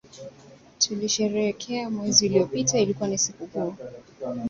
Tulisherehekea mwezi uliopita ilikuwa ni sikukuu